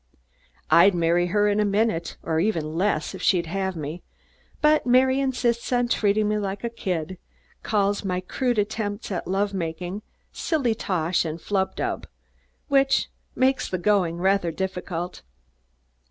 I'd marry her in a minute, or even less, if she would have me, but Mary insists on treating me like a kid; calls my crude attempts at love making "silly tosh and flub dub," which makes the going rather difficult.